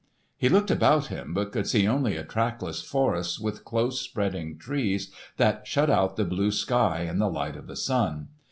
He looked about him, but could see only a trackless forest with close spreading trees that shut out the blue sky and the light of the sun.